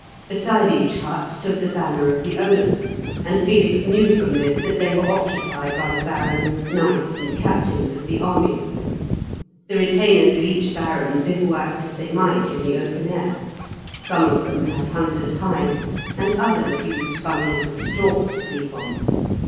Beside each hut stood the banner of the owner, and Felix knew from this that they were occupied by the barons, knights, and captains of the army. The retainers of each baron bivouacked as they might in the open air; some of them had hunter's hides, and others used bundles of straw to sleep on.